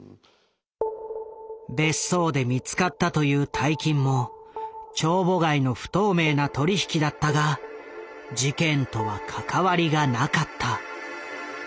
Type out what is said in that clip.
別荘で見つかったという大金も帳簿外の不透明な取り引きだったが事件とは関わりがなかった。